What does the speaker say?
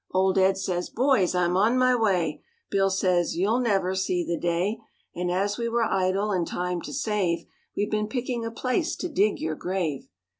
Old Ed says, "Boys, I'm on my way!" Bill says, "You'll never see the day, And as we were idle, and time to save, We've been picking a place to dig your grave.